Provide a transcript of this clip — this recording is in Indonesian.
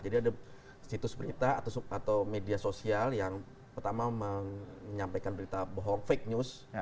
ada situs berita atau media sosial yang pertama menyampaikan berita bohong fake news